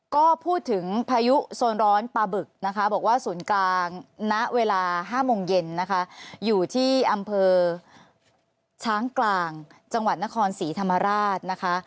ก็พูดถึงพายุโซนร้อนปลาบึกนะคะบอกว่าศูนย์กลางณเวลา๕โมงเย็นนะคะอยู่ที่อำเภอช้างกลางจังหวัดนครศรีธรรมราชนะคะ